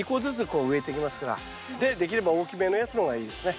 できれば大きめのやつの方がいいですね。